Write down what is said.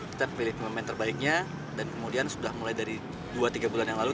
kita pilih pemain terbaiknya dan kemudian sudah mulai dari dua tiga bulan yang lalu